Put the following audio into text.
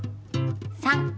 ３。